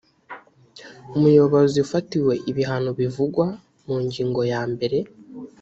umuyobozi ufatiwe ibihano bivugwa mu ngingo ya mbere